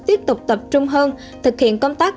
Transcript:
tiếp tục tập trung hơn thực hiện công tác